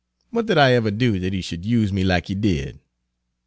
What did I ever do dat he should use me like he did?"